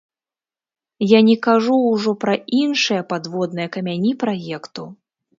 Я не кажу ўжо пра іншыя падводныя камяні праекту.